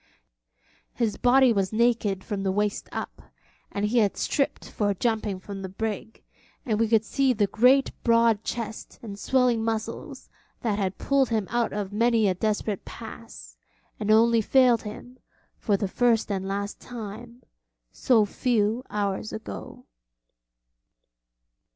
His body was naked from the waist up, as he had stripped for jumping from the brig, and we could see the great broad chest and swelling muscles that had pulled him out of many a desperate pass, and only failed him, for the first and last time so few hours ago.